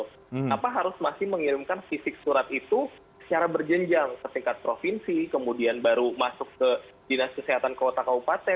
kenapa harus masih mengirimkan fisik surat itu secara berjenjang ke tingkat provinsi kemudian baru masuk ke dinas kesehatan kota kabupaten